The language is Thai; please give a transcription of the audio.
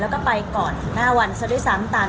แล้วก็ไปก่อนหน้าวันซะด้วยซ้ำตาม